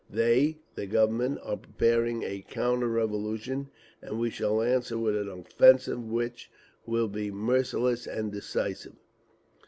They (the Government) are preparing a counter revolution; and we shall answer with an offensive which will be merciless and decisive."